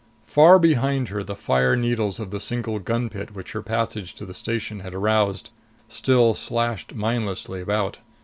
Far behind her, the fire needles of the single gun pit which her passage to the station had aroused still slashed mindlessly about.